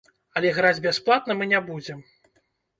Але граць бясплатна мы не будзем.